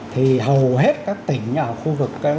thì hầu hết các tỉnh ở khu vực